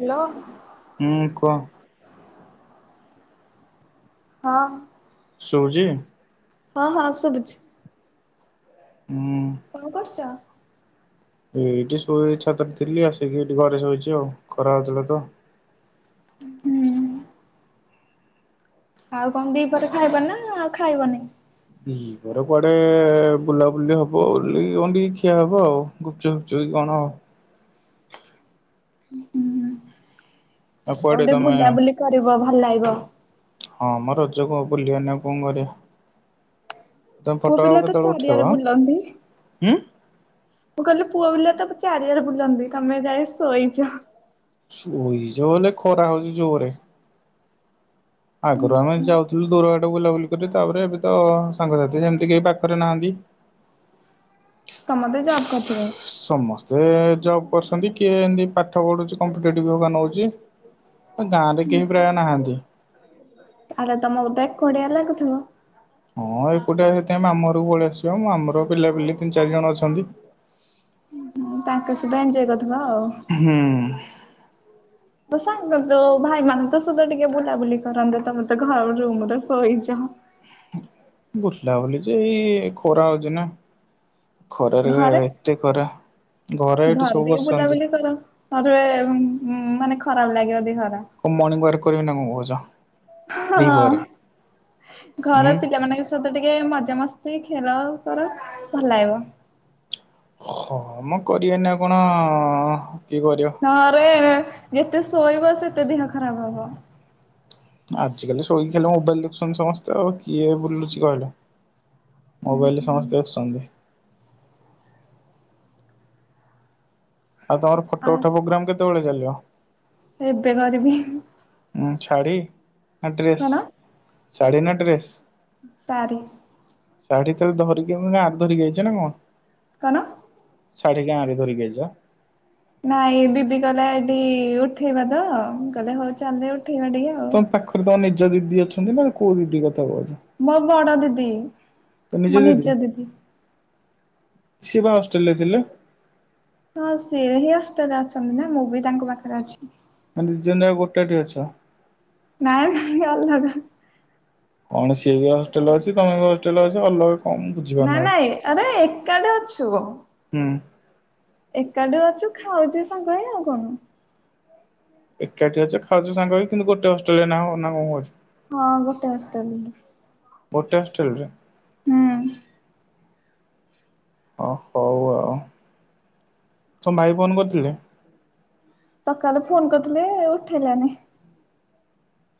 Hello. ହୁଁ କୁହ? ହଁ। ଶୁଭୁଚି। ହଁ ହଁ ସୁବୁଛି। ହୁଁ। କଣ କରୁଛ? ଏଇଠି ଶୋଇ ଛାତରେ ଥିଲି ଆସିକି ଏଇଠି ଘରେ ଶୋଇଛି ଆଉ ଖରା ହଉଥିଲା ତ। ଉଁ ହୁଁ ହୁଁ। ଆଉ କଣ ଦି ପରେ ଖାଇବ ନା ଆଉ ଖାଇବନି। ଦି ମୋର କୁଆଡେ ବୁଲାବୁଲି ହବ ବୁଲିକ କଣ ଟିକି ଖିଆ ହବ ଆଉ ଗୁପଚୁ ଫୁପଚୁ କି କଣ। ଉଁ ହୁଁ। ଆଉ କୁଆଡେ ଟିକେ ତମେ ବୁଲାବୁଲି କରିବ ଭଲ ଲାଗିବ। ହଁ ମଁ ରଜ କୁ ବୁଲି ବାନି ଆଉ କଣ କରିବା। ତମେ ପୁଅ ଫଟୋ ଆଉ ପିଲା ତ କେତେବେଳେ ଉଠେଇବ ଚାରିଆଡେ ବୁଲନ୍ତି। ଉଁ ମୁଁ କହିଲି ପୁଅ ପିଲା ତ ଚାରିଆରେ ବୁଲନ୍ତି ତମେ ଏ ଯାଏଁ ଶୋଇଛ। ଶୋଇଛି ମାନେ ଖରା ହେଉଛି ଜୋରେ। ଆଗରୁ ଆମେ ଯାଉଥିଲୁ ଦୂର ବାଟ ବୁଲାବୁଲି କରି ତାପରେ ଏବେ ତ ସାଙ୍ଗସାଥି ଯେମିତି କେହି ପାଖରେ ନାହାନ୍ ଉ ସମସ୍ତେ ଜବ୍ କରିଥିବେ ସମସ୍ତେ କିଏ ଜବ୍ କରୁଛନ୍ତି କିଏ ଏମତି ପାଠ ପଢୁଛି କମ୍ପିଟେଟିଭ୍ ହବା ନଉଛି। ଆଉ ଗାଁ ରେ କେହି ପ୍ରାୟ ନାହାନ୍ତି। ତାହେଲେ ତମକୁ ତ ଏକୁଟିଆ ଲାଗୁଥିବ। ହଁ ଏକୁଟିଆ ସେଥିପାଇଁ ମାମୁ ଘରକୁ ପଳେଇ ଆସିଛି ପା ମାମୁ ଘରେ ପିଲାପିଲି ତିନି ଚାରି ଜଣ ଅଛନ୍ତି। ହୁଁ ତାଙ୍କ ସହିତ ଏଞ୍ଜୟ କରୁଥିବ। ହୁଁ। ତେ ସାଙ୍ଗ ତେ ଭାଇ ମାନଙ୍କ ସହିତ ଟିକେ ବୁଲାବୁଲି କରନ୍ତ ତମେ ତ ଘର ରୁମ ରେ ଶୋଇଛ। ବୁଲା ବୁଲି ଯେ ଏଇ ଖରା ହଉଛି ନା। ଖରାରେ ଘରେ ଏତେ ଖରା ଘରେ ଏଠି ସବୁ ବସିଛନ୍ତି। ପରେ ଉଁ ମାନେ ଖରାପ ଲାଗିବ ଦେହରା। କଣ ମର୍ଣ୍ଣି ୱାର୍କ କରିବି ନା କଣ କହୁଛ? ହଁ ଦିପହରେ ଘର ଉଁ। ପିଲାମାନଙ୍କ ସ ସହିତ ଟିକେ ମଜାମସ୍ତି ଖେଳ କର ଭଲ ଲାଗିବ। ହଁମ କରିବାନି ଆଉ କଣ କିଏ କରିବ। ଆରେ ଯେତେ ଶୋଇବ ସେତେ ଦେହ ଖରାପ ହବ। ଆଜିକାଲି ଶଇ କି ଖାଲି ମୋବାଇଲ ଦେଖୁଛନ୍ତି ସମସ୍ତେ ଆଉ କିଏ ଲୁ ଚି କହିଲା ମୋବାଇଲରେ ସମସ୍ତେ ଦେଖୁଛନ୍ତି। ଆଉ ତମର ଆ ଫଟୋ ଉଠା ପ୍ରୋଗ୍ରାମ କେତେବେଳେ ଚାଲିବ। ଏବେ କରିବି। ଉ ଶାଢ଼ୀ ନା ଡ୍ରେସ୍ କଣ ଶାଢ଼ୀ ନା ଡ୍ରେସ୍। ସାରି। ଶାଢ଼ୀ ତଳେ ଧରିକି ମାନେ ଆଦରି କି ଯାଇଚ ନା କଣ। କଣ? ଶାଢ଼ି ଗାଁରେ ଧରିକି ଆଇଚ। ନାଇଁ ଦିଦି କହିଲେ ଏଠି ଉଠେଇବା ତ କହିଲେ ହଉ ଚାଲ ଉଠେଇବା ଟିକେ ଆଉ। ତମ ପାଖରେ ତମ ନିଜ ଦିଦି ଅଛନ୍ତି ନା କୋଉ ଦିଦି କଥା କହୁଛ? ମୋ ବଡ ଦିଦି। ତୁମ ନିଜ ଦିଦି ସିଏ ବା ହଷ୍ଟେଲରେ ଥିଲେ। ହଁ ସେ ହିଁ ହଷ୍ଟେଲରେ ଅଛନ୍ତି ନା ମୁଁ ବି ତାଙ୍କ ପାଖରେ ଅଛି। ମାନେ ଦିଇ ଜଣା ଯାକ ଗୋଟେଠି ଅଛ। ନାଇଁଁ ନାଇଁ ଅଲଗା। କଣ ସିଏ ବି ହଷ୍ଟେଲ ଅଛି ତମେ ବି ହଷ୍ଟେଲ ଅଛ ଅଲଗା କଣ ମୁଁ ନାଇଁ ବୁଝିପାରୁନି ଆଡେ। ନାଇଁ ଆରେ ଏକାଠେ ଅଛୁ। ହୁଁ। ଏକାଠୁ ଅଛୁ ଖାଉଛି ସାଙ୍ଗ ହେଇ ଆଉ କଣ? ଏକାଠି ଅଛ ଖାଉଛ ସାଙ୍ଗ ହେଇ କିନ୍ତୁ ଗୋଟେ ହଷ୍ଟେଲରେ ନାହ ନା କଣ କହୁଛ। ହଁ ଗୋଟେ ହଷ୍ଟେଲ ରେ। ଗୋଟେ ହଷ୍ଟେଲ ରେ? ଓ ହଉ ଆଉ ତମ ଭାଇ ଫୋନ କରିଥିଲେ? ସକାଳେ ଫୋନ କରିଥିଲେ ଉଠେଇଲାନି।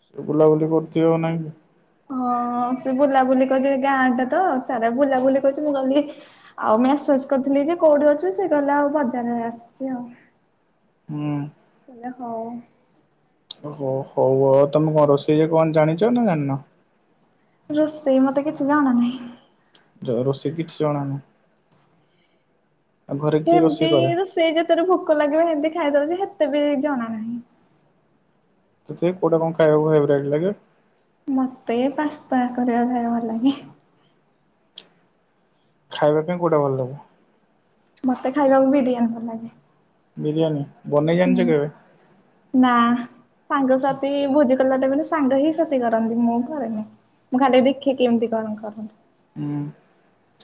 ସେ ବୁଲାବୁଲି କରୁଥିବ ନାଇଁକି। ହଁ ସେ ବୁଲାବୁଲି କରୁଛି ଗାଁଟା ତ ସାରା ବୁଲାବୁଲି କରିଛି ମୁଁ କହିଲିି ଆଉ ମେସେଜ କରିଥିଲି ଯେ କୋଉଠି ଅଛୁ ସେ କହିଲା ଆଉ ବଜାରରେ ଆସିଛି ଆଉ। ହୁଁ। ମୁଁ କହିଲି ହଉ। ଓ ହଉ ହଉ ଆଉ ତମେ କଣ ରୋଷେଇ ରେ କଣ ଜାଣିଛ ନା ଜାଣିନ? ରୋଷେଇ ମତେ କିଛି ଜଣା ନାହିଁ। ରୋଷେଇ କିଛି ଜଣା ନାହିଁ। ଆଉ ଘରେ କିଏ ରୋଷେଇ ସେମିତି କରେ? ରୋଷେଇ ଯେତେବେଳେ ଭୋକ ଲାଗିବ ସେମତି ଖାଇଦଉଛି ହେତେ ବି ଜଣା ନାହିଁ। ତଥାପି କଉଟା କଣ ଖାଇବାକୁ ଫ୍ରେବରାଇଟ ଲାଗେ। ମତେ ପାସ୍ତା କରିବା ଖାଇବା ଭଲ ଲାଗେ। ଖାଇବା ପାଇଁ କୋଉଟା ଭଲ ଲାଗେ? ମତେ ଖାଇବାକୁ ବିରିୟାନୀ ଭଲ ଲାଗେ। ବିରିୟାନୀ। ବନେଇ ଜାଣିଛ ହୁଁ କେବେ? ନା ସାଙ୍ଗସାଥି ଭୁଜି କଲା ଟାଇମ୍‌ରେ ସାଙ୍ଗ ହିଁ ସେତି କରନ୍ତି। ମୁଁ କରେନି ମୁଁ ଖାଲି ଦେଖିକି କେମିତି କଣ କରନ୍ତି। ହୁଁ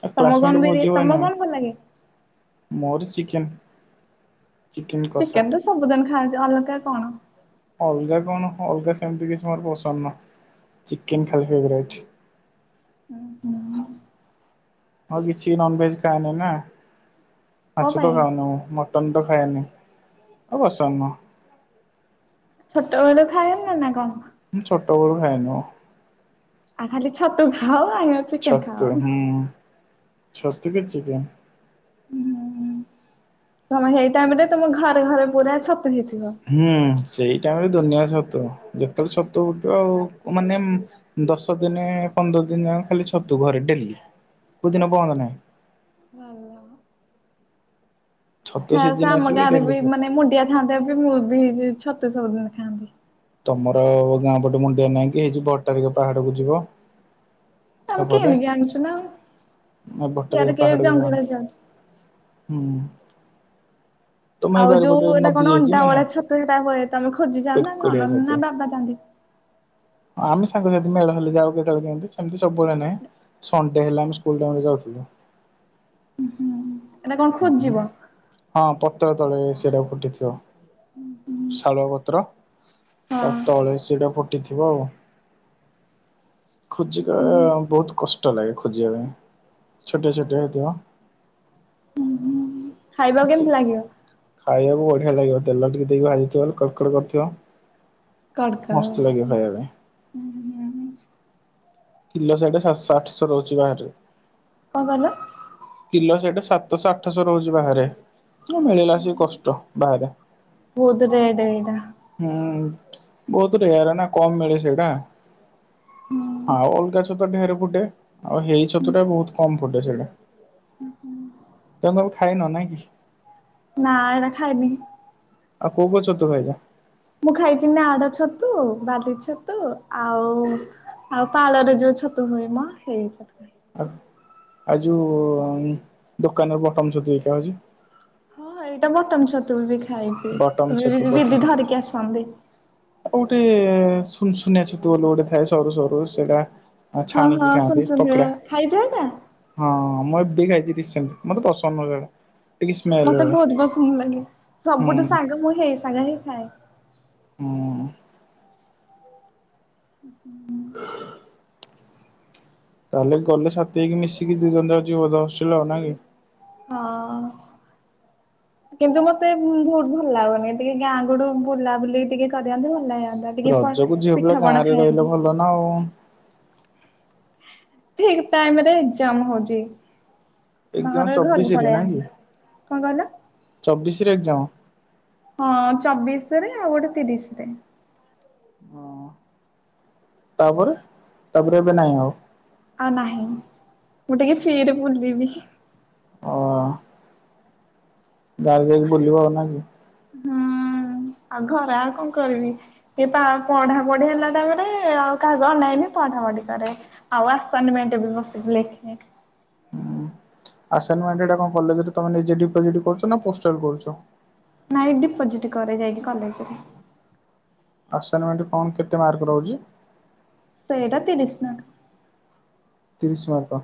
ଆଉ ତମକୁ କ୍ଲାସମେଟ କଣ ବିର୍ ଭୋଜି ହୁଏ ତମକୁ ନାହିଁ କଣ ଭଲ ଲାଗେ? ମୋର ଚିକେନ୍। ଚିକେନ ତ ସବୁଦିନ ଖାହଉଛି ଅଲଗା କଣ? ଅଲଗା କଣ ଅଲଗା ସେମିତି କିଛି ମୋର ପସନ୍ଦ ନୁହଁ ଚିକେନ ଖାଲି ଫେବରାଇଟ। ହୁଁ ହୁଁ। ଆଉ କିଛିିବି ନନଭେଜ୍ ଖାଉନୁ ନା କଣ ମାଛ ତ ପାଇଁ? ଖାଉନୁ ମ ମଟନ ତ ଖାଏନି ପସନ୍ଦ ନୁହଁ। ଛୋଟବେଳୁ ଖାଏନା ନା କଣ? ଛୋଟ ବୋଳୁ ଖାଏନି ମୁଁ। ଆଉ ଖାଲି ଛତୁ ଖାଅ। [unintelligible] ଛତୁ ହୁଁ ଛତ କୁ ଚିକେନ। ହୁଁ ହୁଁ ସେଇ ଟାଇମରେ ତମ ଘରେ ଘରେ ପୁରା ଛତୁ ହେଇଥିବ। ହୁଁ ସେଇ ଟାଇମ ରେ ଦୁନିଆ ଛତୁ ଯେତେବେଳେ ଛତୁ ଉଠିବ ଆଉ। ମାନେ ଦଶ ଦିନେ ପନ୍ଦର ଦିନ ଖାଲି ଛତୁ ଘରେ ଡେଲି। କୋଉଦିନ ବନ୍ଦ ନାହିଁ। ଭଲ। ଛତୁ ଖାସେ ସିଜିନ ଆମ ଆସିଲେ ଗାଁରେ ଡେଲି ବି ଛତୁ ମାନେ ମୁଣ୍ଡିଆ ଖାଆନ୍ତ ବି ମୁଁ ବି ଛତୁ ସବୁଦିନ ଖାଆନ୍ତି। ତମର ଗାଁ ପଟେ ମୁଣ୍ଡିଆ ନାଇଁ କି ହେଇଛି ଭଟ୍ଟାରିକା ପାହାଡକୁ ଯିବ। ଆମେ ସେପଟେ କିଣିକି ଆଣିଛୁ ନାଉ ଭଟ୍ଟାରିକା ସିଆଡେ କେ ପାହାଡକୁ ଯାଅନି ଜଙ୍ଗଲରେ ଯାଉଛୁ। ହୁଁ। ତମ ଏଇ ଆଉ ବାରିପଟେ ଯୋଉ ଏଇଟା ନଦୀ କଣ ଯାଇଛି ଅଣ୍ଡା ଭଳିଆ ଛତୁ ସେଇଟା ହୁଏ ତମେ ଖୋଜିଯାଅ ନା। କଣ କୋରିଆ ନା ଛତୁ। ବାବା [inaudible] ଆମେ ସାଙ୍ଗ ସାଥି ମେଳ ହେଲେ ଯାଉ କେତବେଳେ କେମିତି ସେମିତି ସବୁବେଳେ ନାହିଁ। ସନ୍ ଡେ ହେଲେ ଆମେ ସ୍କୁଲ୍ କାମରେ ଯାଉଥିଲୁ। ହୁଁ। ହଁ ପତ୍ର ତଳେ ସେଇଟା ଫୁଟିଥିବ। ଶାଳୁଆପତ୍ର ତା ହଁ ତଳେ ସେଟା ଫୁଟି ଥି ଫୁଟି ଥିବ ଆଉ ଖୋଜିଲାବେଳେ ବହୁତ କଷ୍ଟ। କଷ୍ଟ ଲାଗେ ଖୋଜିବା ପାଇଁ ଛୋଟିଆ ଛୋଟିଆ ହେଇଥିବ। ଖାଇବାକୁ କେମିତି ଲାଗିବ? ଖାଇବାକୁ ବଢିଆ ଲାଗିବ ତେଲ ଟିକେ ଦେଇକି ଭାଜିଥିବାରୁ କଡକଡ କରିଥିବ। ମସ୍ତ ଲାଗିବ ଖାଇବାପାଇଁ। ହୁଁ ହୁଁ ହୁଁ। କିଲୋ ସିଆଡେ ସାତଶହ ଆଠଶହ ରହୁଛି ଗାଁରେ। କଣ କହିଲ? କିଲୋ ସେଇଟା ସାତଶହ ଆଠଶହ ରହୁଛି ବାହାରେ। ହ ମିଳିଲା ସେ କଷ୍ଟ ବାହାରେ। ବହୁତ ରେଟ୍ ଏଇଟା ହୁଁ ବହୁତ ରେୟାର ନା କମ ମିଳେ ସେଇଟା। ହୁଁ। ହଁ ଅଲଗା ଛତୁ ଢେର ଫୁଟେ ଆଉ ହେଇ ଛତୁଟା ବହୁତ କମ୍ ଫୁଟେ ସେଇଟା। ତମେ ଆଉ ଖାଇନ ନାଇ କି? ନା ଏଇରା ଖାଇନି। ଆଉ କୋଉ କୋଉ ଛତୁ ଖାଇଚ? ମୁଁ ଖାଇଛି ନାଡଛତୁ, ବାଲି ଛତୁ ଆଉ ଆଉ ପାଳରେ ଯୋଉ ଛତୁ ହୁଏ ମ ହେଇ ଛତୁ। ଆ ଆ ଯୋଉ ଦୋକାନର ବଟମ ଛତୁ ସେଇଟା ହଉଛି। ହଁଁ ଏଇଟା ବଟମ ଛତୁ ବି ଖାଇଛି ବଟମ ଛତୁ ତ ଦିଦି ଧରିକି ଆସନ୍ତି। କୋଉଠି ସୁନୁସୁନିଆ ଛତୁ ଗୋଟେ ଗୋଟେ ଥାଏ ସରୁ ସରୁ ସେଇଟା ଆ ହଁ ହଁ ଛାଣିକି ସୁନ ଖାଆନ୍ତି ସୁନ ରେ ପକଡ଼ା ଖାଇଯାଏ ନା ହଁ ମୁଁ ଏବେ ଖାଇଚି ରିସେଣ୍ଟ ମତେ ପସନ୍ଦ ନୁହେଁ ସେଇଟା। ମତେ ବହୁତୁ ପସନ୍ଦ ଲାଗେ ହୁଁ ସବୁଠୁ ସାଙ୍ଗ ମୁଁ ହେଇ ଶାଗ ହିଁ ଖାଏ। ହୁଁ। [unintelligible] ତାହେଲେ ଗଲେ ସାଥି ହେଇକି ମିଶିକି ଦିଇ ଜଣ ଯାକ ଯିବ ହଷ୍ଟେଲ ନା କି? ହଁ। କିନ୍ତୁ ମତେ ଭୁ ଭୁ ଭଲ ଲାଗୁନି ଟିକେ ଗାଁ ଗୋଠୁ ବୁଲା ବୁଲି ଟିକେ କରିନ୍ତେ ଭଲ ଲାଗିବ। ରଜକୁ ଝିଅପିଲା ଗାଁ ରେ ରହିଲେ ଭଲ ନା ଆଉ। ଠିକ୍ ଟାଇମି ରେ ଏଗ୍ଜାମ୍ ହଉଚି। ଏକ୍ଜାମ ବାହାରେ ଘରକୁ ଚବିଶରେ ପଳେଇ ଆଇଲି କଣ କହିଲ? ଚବିଶିରେ ଏଗ୍ଜାମ୍? ହଁ ଚବିଶିରେ ଆଉ ଗୋଟେ ତିରିଶିରେ। ହଁ। ତାପରେ, ତାପରେ ଏବେ ନାଇଁ ଆଉ? ଆଉ ନାହିଁ ମୁଁ ଟିକେ ଫ୍ରୀରେ ବୁଲିବି। ଅ। ଗାଁକୁ ଯାଇକି ବୁଲିବ ନାକି? ହଁ ଆଉ ଘରେ ଆଉ କଣ କରିବି। ଏ ପା ପଢାପଢି ହେଲା ଟାଇମିରେ ଆଉ କାହାକୁ ଅନାଏନି ପଢାପଢ଼ି କରେ। ଆଉ ଆସାଇନମେଣ୍ଟ୍ ବସିକି ଲେଖେ। ଆସାଇନମେଣ୍ଟ୍ କଲେଜେରେ ତମେ ନିଜେ ଡିପୋଜିଟ୍ କରୁଚ ନା ପୋଷ୍ଟାଲରେ କରୁଚ? ନାଇଁ ଡିପୋଜିଟି କରେ ଯାଇକି କଲେଜେରେ। ଆସାଇନମେଣ୍ଟ୍ କଣ କେତେ ମାର୍କ ରହୁଚି? ସେଇଟା ତିରିିଶି ମାର୍କ। ତିରିଶି ମାର୍କ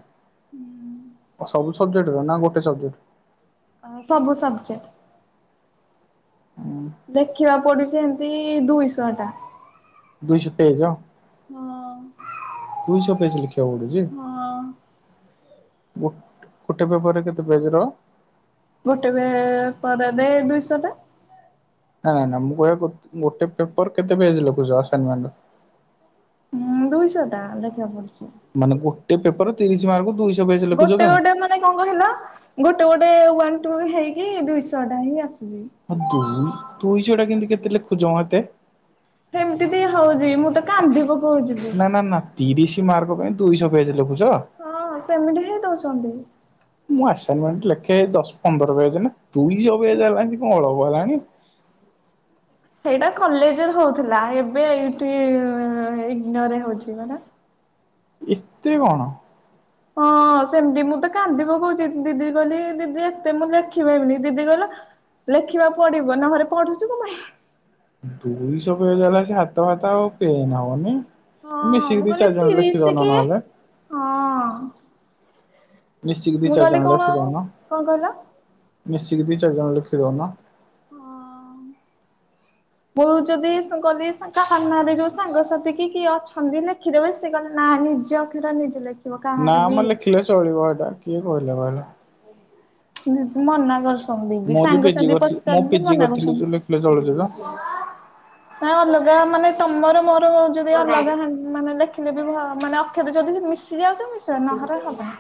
ସବୁ ସବଜେକ୍ଟ ର ନା ଗୋଟେ ସବଜେକ୍ଟ? ହଁ ସବୁ ସବଜେକ୍ଟ? ହୁଁ। ଦେଖିବାକୁ ପଡ଼ୁଚିହେନ୍ତି ଦୁଇଶହ ଟା। ଦୁଇଶହ ପେଜ ହଁ ଦୁଇଶହ ପେଜ ଲେଖିବାକୁ ପଡ଼ୁଚି। ହଁ। ଗୋ ଗୋଟେ ପେପରରେ କେତେ ପେଜର? ଗୋଟେ ପେ ପରରେ ଦୁଇଶଟା। ନାଇଁ ନାଇଁ ମୁଁ କହିବା ଗୋ ଗୋଟେ ପେପର କେତେ ପେଜେ ଲଖୁଚ ଆସାନମେଣ୍ଟ? ଉଁ ଦୁଇଶଟା ଲେଖିବାକୁ ପଡ଼ୁଚି। ମାନେ ଗୋଟେ ପେପର ତିରିଶି ମାର୍କ ଦୁଇଶ ଗୋଟେ ଗୋଟେ କଣ କହିଲ ଗୋଟେ ଗୋଟେ ୱାନ୍ ଟୁ ହେଇକି ଦୁଇଶହ ଟା ହିଁ ଆସୁଚି। ହଁ ଦୁଇ ଦୁଇ ଶହ ଟା କେନ୍ତେ କେତେ ଲେଖୁଛ ମ ଏତେ? ହେମିତି ବି ହଉଚି ମୁଁ ତ କାନ୍ଦି ପ ନା ନା ନା ତିରିଶି ମାର୍କ ପାଇଁ ଦୁଇଶହ ପେଜେ ଲେଖୁଚ? ହଁ ସେମିତି ହିଁ ଦଉଛନ୍ତି। ମୁଁ ଆସାଇନିମେଣ୍ଟ ଲେଖେ ଦଶ ପନ୍ଦର ପେଜେ ନା ଦୁଇ ଶହ ପେଜେ ହେଲାଆସିକି କଣ ଅଳପ ହେଲାଣି? ହେଇଟା କଲେଜେ ରେ ହଉଥିଲା ଏବେ ଇନ୍ତି ଇଗନୋରେ ହଉଛି ପରା। ଏତେ କଣ? ହଁ ହଉ ସେମିତି ମୁଁ ତ କାନ୍ଦି ପକଉଚି ଦିଦିକି କହିଲି ଦିଦି ଏତେ ମୁଁ ଲେଖିପାଇବିନି, ଦିଦି କହିଲା ଲେଖିବା ପଡିବ ନହରେ ପଢୁଛୁ କଁ ପାଇଁ ଦୁଇଶ ପେଜ ହେଲା ସେ ହାତ ଫାତ ଆଉ ପେନ୍ ହବନି - ହଁ ମିଶିକି ମୁଁ ଦି କହିଲି ଚାରିଜଣ ତିରିଶ ଲେଖିଦଉନ କି ନହେଲେ ହଁ ମିଶିକି ଦି ମୁଁ କହିଲି ଚାରିଜଣ କଣ ଲେଖିଦଉନ, କଣ କହିଲ? ମିଶିକି ଦି ଚାରିଜଣ ଲେଖିଦଉନ ହଁ ମୁଁ ଯଦି କହିଲି କାନାରେ ଯୋଉ ସାଙ୍ଗସାଥି କି କିଏ ଅଛନ୍ତି ନା କ୍ଷୀ ଦେବେ ସେ କହିଲେ ନାଁ ନିଜ ଅକ୍ଷର ନିଜେ ଲେଖି - ନା ମ ଲେଖିଲେ ଚଳିବ ହେଇଟା କିଏ କହିଲା ବା ହେଟା ନ ତ ମନା କରୁସନ୍ତି ଦି ବିି ମୁଁ ସାଙ୍ଗସାଥି ପଚାରି ମନା କରୁସନ୍ତି ପଲେ ଚଳୁଚି ତ ନା ଅଲଗା ମାନେ ତମର ମୋର ଯଦି ହୁଁ ଅଲଗା ହା ମାନେ ଦେଖିଲେ ବି ମାନେ ଅକ୍ଷର ଯଦି ମିଶ [unintelligible] ମିସିବ ନହରେ ହବନି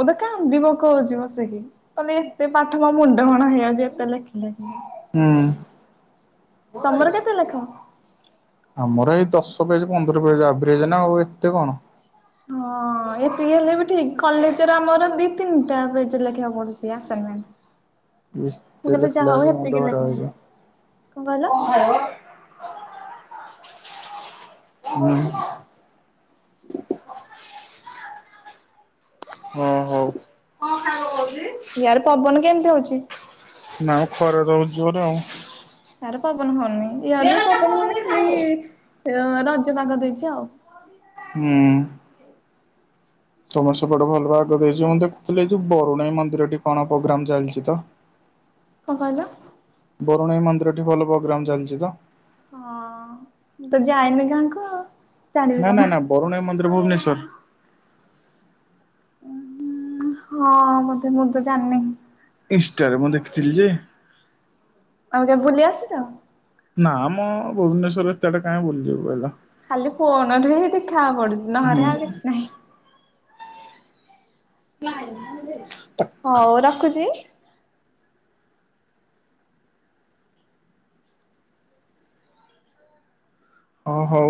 ମୁଁ ତ କାନ୍ଦି ପକଉଚି ବସିକି କହଲି ଏତେ ପାଠ ମୋ ମୁଣ୍ଡ କଣ ହେଇଯାଉଚି ଏତେ ଲେଖି ଲେଖି ହୁଁ ତମର କେତେ ଲେଖ? ଆମର ଏଇ ଦଶ ପେଜ ପନ୍ଦର ପେଜ ଆଭରେଜ ନା ଆଉ ଏତେ କଣ ହଁ ଏତିକି ହେଲେ ବି ଠିକ୍ କଲେଜରେ ଆମର ଦି ତିନିଟା ପେଜ ଲେଖିବାକୁ ପଡ଼ୁଚି ଇସ୍ ଆସାଇନମେଣ୍ଟ ମୁଁ ତେଲ କହିଲି ଖିଲା ଯାହା ହଉ ଆସିକି ହେତିକି ଲେଖନ୍ତି, କଣ କହିଲ ହାଲୋ ହୁଁ ହଁ ହଉ, କଣ ଖାଇବ କହୁଚି? ୟାର ପବନ କେମିତି ହଉଚି? ନା ମ ଖରା ରହୁଚି ଜୋରରେ ଆଉ ତାର ପବନ ହଉନି ୟହାର ବି ପବନ ହଉନି ଖାଲି ରଜ ପାଗ ଦେଇଚି ଆଉ ଉଁ ଉଁ ତମର ସେପଟେ ଭଲ ଭାଗ ଦେଇଚି ମୁ ଦେଖୁଥିଲି ଏଇ ଯଉ ବରୁଣେଇ ମନ୍ଦିରଟି କଣ ପ୍ରୋଗ୍ରାମ ଚାଲିଚି ତ - କଣ କହିଲ? ବରୁଣେଇ ମନ୍ଦିରଟି ଭଲ ପ୍ରୋଗ୍ରାମ ଚାଲିଚି ତ ହଁ ମୁଁ ତ ଯାଇନି ଗାଁକୁ ଆଉ ଜାଣିବି ନା କଣ? ନା ନା ବରୁଣେଇ ମନ୍ଦିର ଭୁବନେଶ୍ଵର ହଁ ମତେ ମୁଁ ତ ଜାଣିି ନେଇ ଇନଷ୍ଟାରେ ମୁଁ ଦେଖିଥିଲି ଯେ - ଆଉ କେବେ ବୁଲି ଆସିଛ? ନା ମ ଭୁବନେଶ୍ୱର ଏତେ ଆଟ କାଇଁ ବୁଲିଯିବି କହିଲ ଖାଲି ଫୋନରେ ହିଁ ଦେଖିବାକୁ ପଡୁଚି ହୁଁ। ନହରେ ଆଉ କିଛି ନାହିଁ [inaudible] ହଉ ରଖୁଚି - ହଉ ହଉ